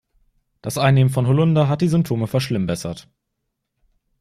Das Einnehmen von Holunder hat die Symptome verschlimmbessert.